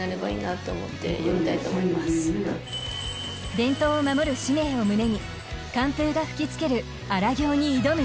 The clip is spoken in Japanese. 伝統を守る使命を胸に寒風が吹き付ける荒行に挑む！